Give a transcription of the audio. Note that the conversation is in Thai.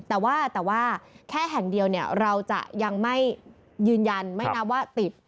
แต่ว่าแต่ว่าแค่แห่งเดียวเราจะยังไม่ยืนยันไม่นับว่าติด